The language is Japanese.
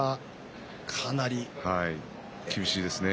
厳しいですね。